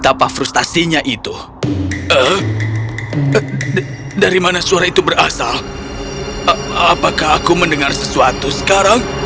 apakah aku mendengar sesuatu sekarang